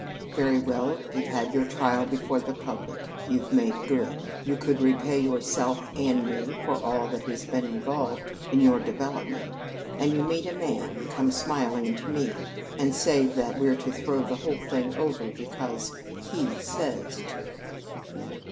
Very well; you've had your trial before the public. You've made good. You could repay yourself and me for all that has been involved in your development, and you meet a man and come smiling to me and say that we're to throw the whole thing over because 'he says' to."